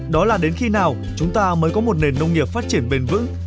đó là đến khi nào chúng ta mới có một nền nông nghiệp phát triển bền vững